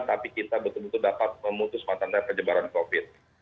tapi kita betul betul dapat memutuskan tentang kecebaran covid sembilan belas